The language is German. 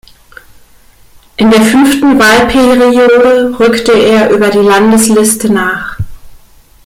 In der fünften Wahlperiode rückte er über die Landesliste nach.